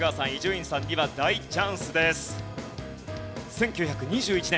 １９２１年。